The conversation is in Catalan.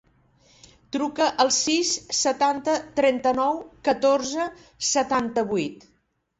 Truca al sis, setanta, trenta-nou, catorze, setanta-vuit.